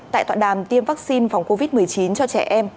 tại tọa đàm tiêm vaccine phòng covid một mươi chín cho trẻ em